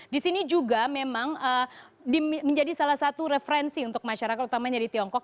di sini juga memang menjadi salah satu referensi untuk masyarakat utamanya di tiongkok